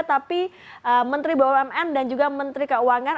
tapi menteri bumn dan juga menteri keuangan